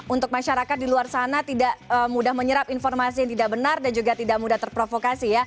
untuk masyarakat di luar sana tidak mudah menyerap informasi yang tidak benar dan juga tidak mudah terprovokasi ya